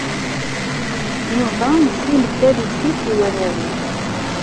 Yuba yesselmed tarusit i warraw-is.